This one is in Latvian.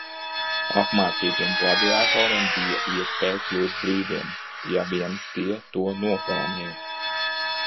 Apmācītiem gladiatoriem bija iespēja kļūt brīviem, ja vien tie to nopelnīja.